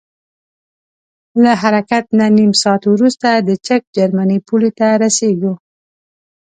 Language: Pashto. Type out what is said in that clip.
له حرکت نه نیم ساعت وروسته د چک جرمني پولې ته رسیږو.